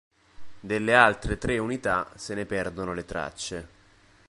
Delle altre tre unità se ne perdono le tracce.